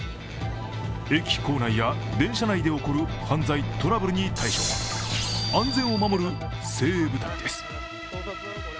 駅構内や電車内で起こる犯罪・トラブルに対処、安全を守る精鋭部隊です。